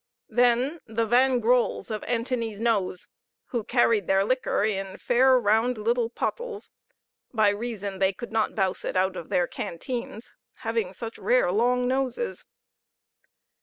Then the Van Grolls, of Antony's Nose, who carried their liquor in fair round little pottles, by reason they could not bouse it out of their canteens, having such rare long noses.